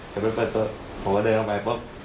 จะไปเปิดตู้ผมก็เดินลงไปปุ๊บ